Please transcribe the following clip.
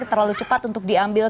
terlalu cepat untuk diambil